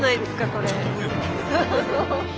これ。